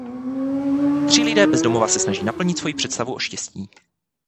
Tři lidé bez domova se snaží naplnit svoji představu o štěstí.